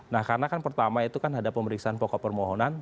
nah karena kan pertama itu kan ada pemeriksaan pokok permohonan